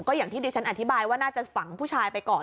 อย่างที่ดิฉันอธิบายว่าน่าจะฝังผู้ชายไปก่อน